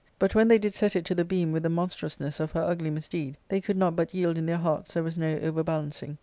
But, when they did set it to the beam with the monstrousness of her ugly misdeed, they could not but yield in their hearts there was no overbalancing.